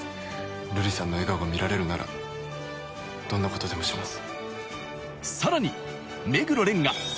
瑠璃さんの笑顔が見られるならどんなことでもします。